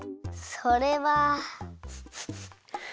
それは。